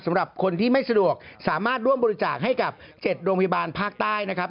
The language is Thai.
สำหรับคนที่ไม่สะดวกสามารถร่วมบริจาคให้กับ๗โรงพยาบาลภาคใต้นะครับ